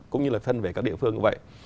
cũng như là phân về các địa phương như vậy